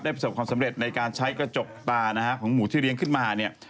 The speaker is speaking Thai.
ได้ประสบความสำเร็จในการใช้กระจกตาของหมูที่เลี้ยงขึ้นมา